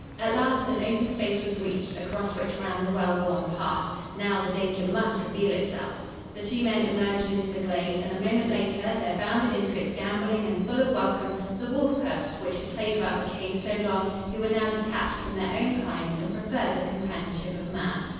At last an open space was reached across which ran the well worn path. Now the danger must reveal itself. The two men emerged into the glade, and, a moment later, there bounded into it gamboling and full of welcome, the wolf cubs, which had played about the cave so long, who were now detached from their own kind and preferred the companionship of man.